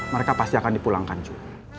mereka pasti akan dipulangkan juga